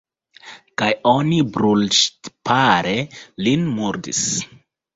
Kaj oni brulŝtipare lin murdis.